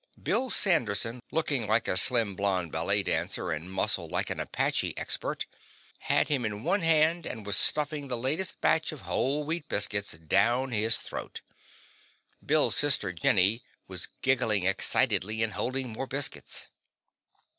Bill Sanderson, looking like a slim, blond ballet dancer and muscled like an apache expert, had him in one hand and was stuffing the latest batch of whole wheat biscuits down his throat. Bill's sister, Jenny, was giggling excitedly and holding more biscuits.